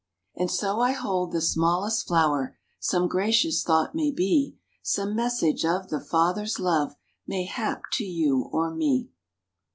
"And so I hold the smallest flower Some gracious thought may be; Some message of the Father's love Mayhap to you or me."